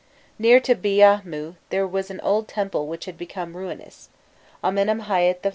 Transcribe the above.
Near to Biahmû there was an old temple which had become ruinous: Amenemhâît III.